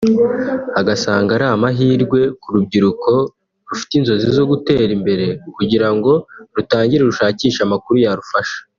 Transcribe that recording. Agasanga ari amahirwe ku rubyiruko rufite inzozi zo gutera imbere kugira ngo rutangire rushakishe amakuru yarufasha